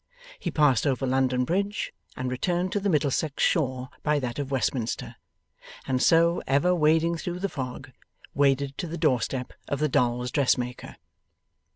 He passed over London Bridge, and returned to the Middlesex shore by that of Westminster, and so, ever wading through the fog, waded to the doorstep of the dolls' dressmaker.